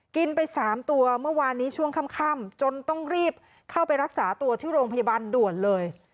กินไป๓ตัวเมื่อวานนี้ช่วงค่ำจนต้องรีบเข้าไปรักษาตัวที่โรงพยาบาลด่วนเลย